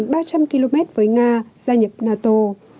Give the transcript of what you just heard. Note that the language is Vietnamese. nga sẽ đưa ra một ba trăm linh km với nga gia nhập nato